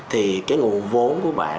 thì cái nguồn vốn của bạn